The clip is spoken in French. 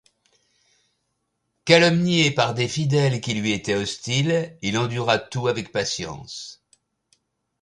Calomnié par des fidèles qui lui étaient hostiles, il endura tout avec patience.